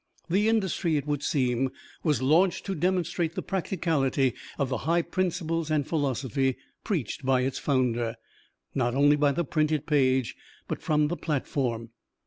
The industry, it would seem, was launched to demonstrate the practicality of the high principles and philosophy preached by its founder, not only by the printed page, but from the platform.